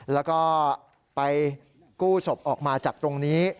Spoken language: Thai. แล้วก็ไปกู้ศพออกมาจากตรงนี้